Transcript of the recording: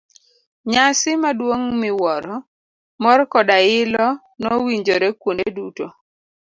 Nyasi maduong' miwuoro, mor koda ilo nowinjore kuonde duto.